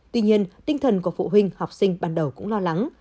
tuy nhiên tinh thần của phụ huynh học sinh ban đầu cũng lo lắng